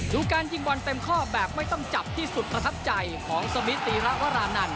การยิงบอลเต็มข้อแบบไม่ต้องจับที่สุดประทับใจของสมิติระวรานันท